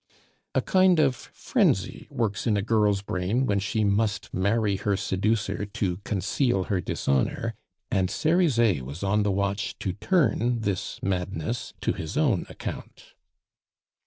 A kind of frenzy works in a girl's brain when she must marry her seducer to conceal her dishonor, and Cerizet was on the watch to turn this madness to his own account.